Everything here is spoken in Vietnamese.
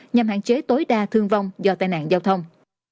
nhằm hạn chế tối đa thương vong do tai nạn giao thông